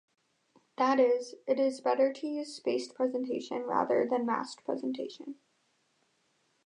That is, it is better to use spaced presentation rather than massed presentation.